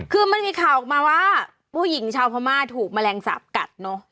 คือมันมีข่าวออกมาว่าผู้หญิงชาวพม่าถูกแมลงสาปกัดเนอะ